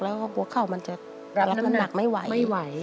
แล้วหัวเข่ามันจะรับน้ำหนักไม่ไหวไม่ไหว